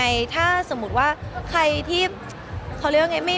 ไม่ได้เป็นเด็กคนเดิมที่เคิ่งปล่อยเพลงมาตอนที่๒๔